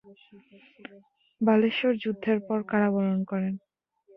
বালেশ্বর যুদ্ধের পর কারাবরণ করেন।